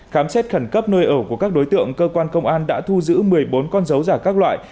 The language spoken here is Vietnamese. khám xét khẩn cấp nơi ở của các đối tượng cơ quan công an đã thu giữ một mươi bốn con dấu giả các loại